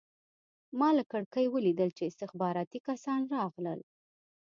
ما له کړکۍ ولیدل چې استخباراتي کسان راغلل